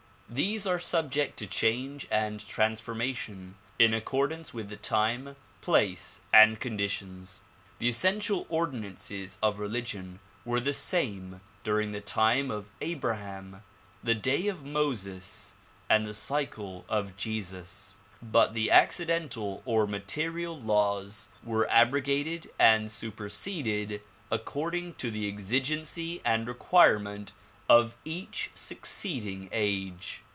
These are subject to change and transformation in accordance with the time, place and conditions. The essential ordinances of religion were the same during the time of Abraham, the day of Moses and the cycle of Jesus; but the accidental or material laws were abro gated and superseded according to the exigency and requirement of each succeeding age.